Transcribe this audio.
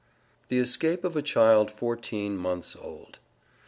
THE ESCAPE OF A CHILD FOURTEEN MONTHS OLD.